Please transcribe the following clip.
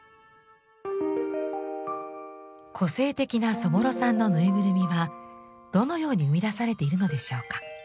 個性的なそぼろさんのぬいぐるみはどのように生み出されているのでしょうか？